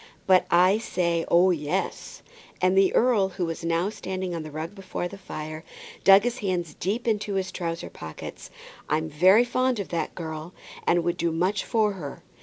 "But I say, oh, yes;" and the earl, who was now standing on the rug before the fire, dug his hands deep down into his trousers' pockets. "I'm very fond of that girl, and would do much for her.